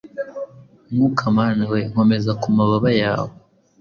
Mwuka Mana we, nkomeza ku mababa yawe,